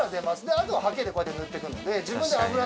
あとははけでこうやって塗って行くので。